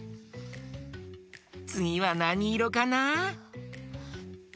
つぎはなにいろかな？